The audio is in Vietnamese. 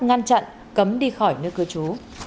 ngăn chặn cấm đi khỏi nước cư trú